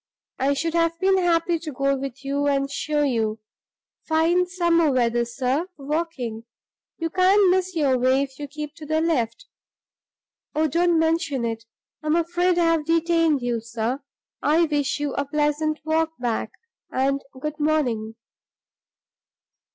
I should have been happy to go with you and show you. Fine summer weather, sir, for walking? You can't miss your way if you keep to the left. Oh, don't mention it! I'm afraid I have detained you, sir. I wish you a pleasant walk back, and good morning."